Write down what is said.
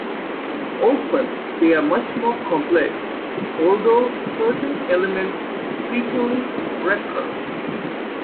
Often they are much more complex, although certain elements frequently recur.